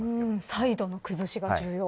サイドの崩しが重要。